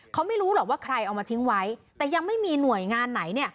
เขาไม่รู้หรอกว่าใครเอามาทิ้งไว้แต่ยังไม่มีหน่วยงานไหน